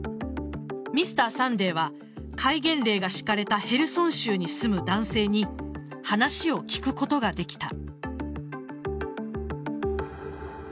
「Ｍｒ．サンデー」は戒厳令が敷かれたヘルソン州に住む男性に話を聞くことができた。